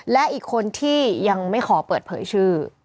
และอีกคนที่ยังไม่ขอเปิดเผยชื่อ